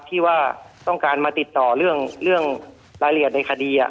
ที่ว่าต้องการมาติดต่อเรื่องรายละเอียดในคดี